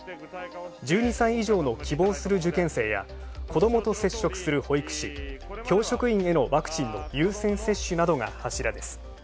１２歳以上の希望する受験生や子どもと接触する保育士、教職員へのワクチンの優先接種などが柱です。